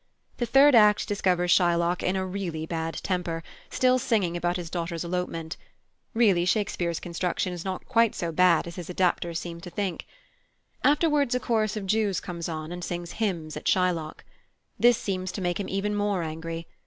The third act discovers Shylock in a bad temper, still singing about his daughter's elopement. (Really Shakepeare's construction was not quite so bad as his adapters seem to think.) Afterwards a chorus of Jews comes on and sings hymns at Shylock. This seems to make him even more angry.